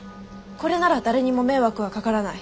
これなら誰にも迷惑はかからない。